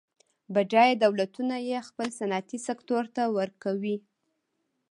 بډایه دولتونه یې خپل صنعتي سکتور ته ورکوي.